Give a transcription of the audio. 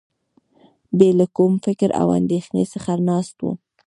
بې له کوم فکر او اندېښنې څخه ناست وم.